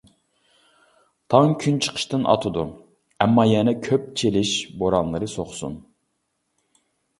تاڭ كۈنچىقىشتىن ئاتىدۇ، ئەمما يەنە كۆپ چېلىش بورانلىرى سوقسۇن!